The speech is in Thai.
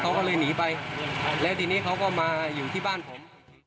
เขาก็เลยหนีไปแล้วทีนี้เขาก็มาอยู่ที่บ้านผม